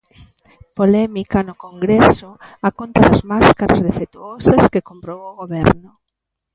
Polémica no Congreso a conta das máscaras defectuosas que comprou o Goberno.